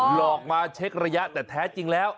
หลอกมาเช็กระยะแต่แท้จริงแล้ว